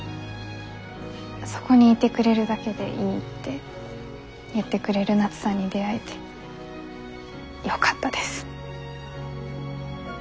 そこにいてくれるだけでいいって言ってくれる菜津さんに出会えてよかったです。